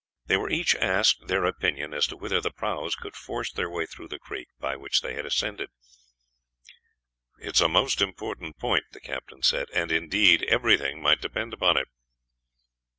They were each asked their opinion as to whether the prahus could force their way through the creek by which they had ascended. "It is a most important point," the captain said: "and indeed, everything might depend upon it."